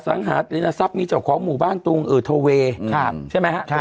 สังหาธุรกิจนิยมทรัพย์มีเจ้าของหมู่บ้านตรงโทเวใช่ไหมคะ